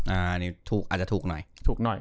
อาจจะถูกหน่อย